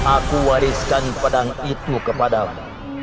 aku wariskan pedang itu kepadamu